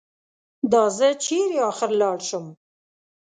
دا زه چېرې اخر لاړ شم؟